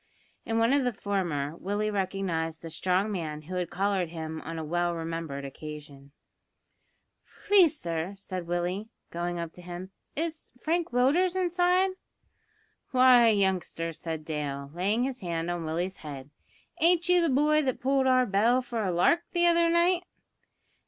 In one of the former Willie recognised the strong man who had collared him on a well remembered occasion. "Please, sir," said Willie, going up to him, "is Frank Willders inside?" "Why, youngster," said Dale, laying his hand on Willie's head, "ain't you the boy that pulled our bell for a lark the other night?"